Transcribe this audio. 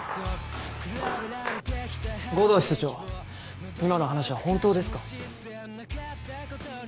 護道室長今の話は本当ですか？